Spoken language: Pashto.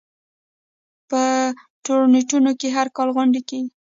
په تورنټو کې هر کال غونډه کیږي.